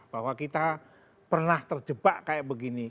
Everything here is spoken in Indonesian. bahwa kita pernah terjebak kayak begini